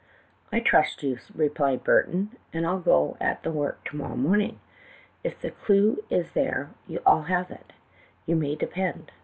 "' I 'll trust you,' replied Burton, ' and I 'll go at the work to morrow morning. If the clue is there, I 'll have it, you ma}^ depend.